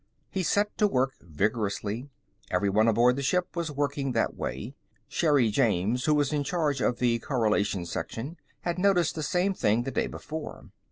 He set to work vigorously. Everyone aboard the ship was working that way. Sherri James, who was in charge of the Correlation Section, had noticed the same thing the day before.